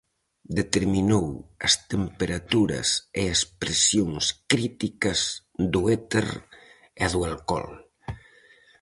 Determinou as temperaturas e as presións críticas do éter e do alcohol.